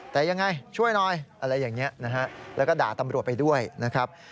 แต่ยังไงช่วยหน่อยอะไรอย่างนี้นะฮะแล้วก็ด่าตำรวจไปด้วยนะครับ